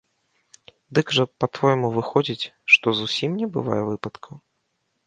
Дык жа, па-твойму, выходзіць, што зусім не бывае выпадкаў?